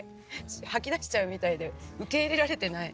吐き出しちゃうみたいで受け入れられてない。